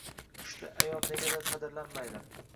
Kuchli ayol negadir qadrlanmaydi.